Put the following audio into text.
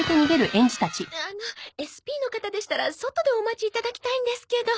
あのＳＰの方でしたら外でお待ちいただきたいんですけど。